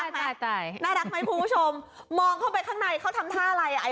น่ารักไหมคุณผู้ชมมองเข้าไปข้างในเขาทำท่าอะไรอ่ะ